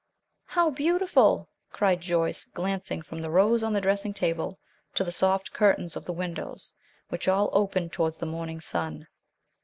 "How beautiful!" cried Joyce, glancing from the rose on the dressing table to the soft curtains of the windows, which all opened towards the morning sun.